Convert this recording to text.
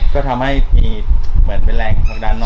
ก็ทำให้เหมือนมีแรงทางด้านนะ